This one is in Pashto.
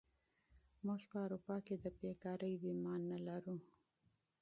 موږ په اروپا کې د بېکارۍ بیمه نه لرو.